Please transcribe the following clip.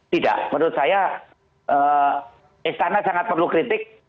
tidak menurut saya istana sangat perlu kritik